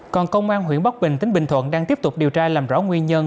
còn công an huyện bắc bình tỉnh bình thuận đang tiếp tục điều tra làm rõ nguyên nhân